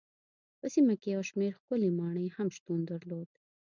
په سیمه کې یو شمېر ښکلې ماڼۍ هم شتون درلود.